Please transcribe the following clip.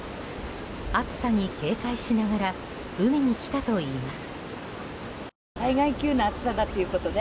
暑さに警戒しながら海に来たといいます。